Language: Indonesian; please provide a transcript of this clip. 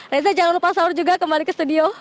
reza jangan lupa sahur juga kembali ke studio